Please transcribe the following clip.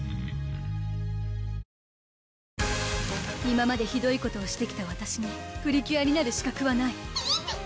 今までひどいことをしてきたわたしにプリキュアになる資格はないピーピ！